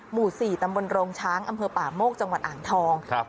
หมู่๔ตำบลโรงช้างอำเภอป่าโมกจังหวัดอ่างทอง